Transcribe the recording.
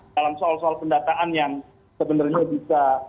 dalam soal soal pendataan yang sebenarnya bisa